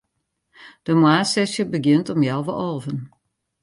De moarnssesje begjint om healwei alven.